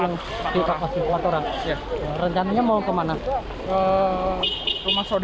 ini ke depan dong